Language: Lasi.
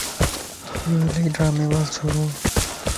يو الائي ڊرامي باز ڇوروَ